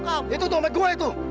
hah itu tuh teman gue